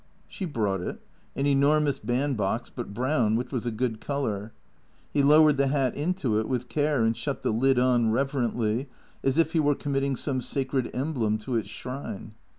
She brought it. An enormous band box, but brown, which was a good colour. He lowered the hat into it with care and shut the lid on it, reverently, as if he were committing some sacred emblem to its shrine.